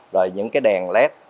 rồi những cái đèn led